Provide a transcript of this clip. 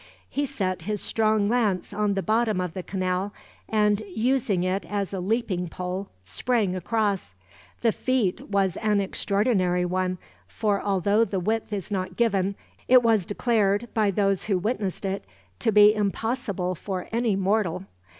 He set his strong lance on the bottom of the canal and, using it as a leaping pole, sprang across. The feat was an extraordinary one, for although the width is not given, it was declared, by those who witnessed it, to be impossible for any mortal.